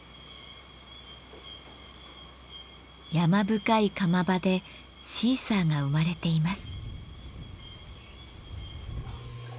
山深い窯場でシーサーが生まれています。